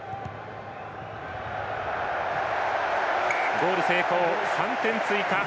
ゴール成功、３点追加。